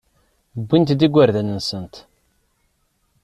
Wwint-d igerdasen-nsent.